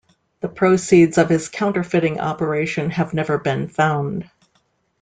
The proceeds of his counterfeiting operation have never been found.